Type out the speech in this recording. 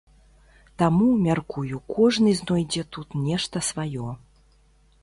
Таму, мяркую, кожны знойдзе тут нешта сваё.